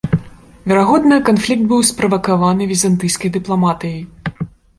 Верагодна, канфлікт быў справакаваны візантыйскай дыпламатыяй.